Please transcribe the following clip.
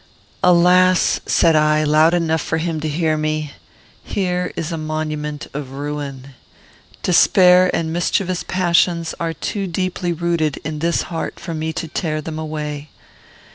"Alas!" said I, loud enough for him to hear me, "here is a monument of ruin. Despair and mischievous passions are too deeply rooted in this heart for me to tear them away."